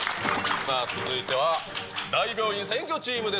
さあ続いては、大病院占拠チームです。